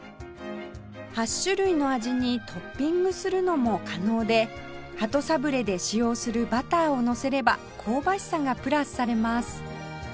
８種類の味にトッピングするのも可能で鳩サブレーで使用するバターをのせれば香ばしさがプラスされます